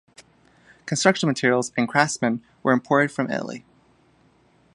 Construction materials and craftsmen were imported from Italy.